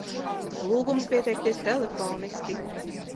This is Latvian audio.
Lūgums pieteikties telefoniski!